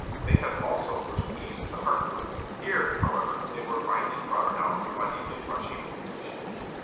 They also pushed east to Hartford. Here, however, they were finally crowded out by the inrushing English.